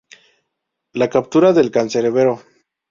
La captura del Cancerbero.